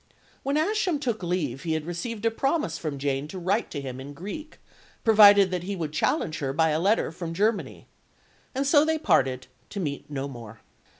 When Ascham took leave he had received a promise from Jane to write to him in Greek, provided that he would challenge her by a letter from Germany. And so they parted, to meet no more.